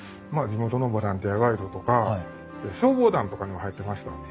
地元のボランティアガイドとか消防団とかにも入ってました。